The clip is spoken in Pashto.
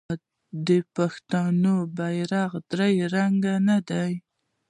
آیا د پښتنو بیرغ درې رنګه نه دی؟